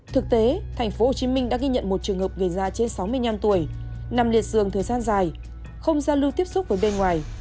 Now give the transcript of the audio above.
thực tế tp hcm đã ghi nhận một trường hợp người già trên sáu mươi năm tuổi nằm liệt dường thời gian dài không giao lưu tiếp xúc với bên ngoài